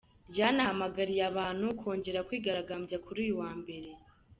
Ryanahamagariye abantu kongera kwigaragambya kuri uyu wa Mbere.